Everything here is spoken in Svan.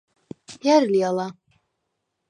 ჲა̈რ ლი ალა?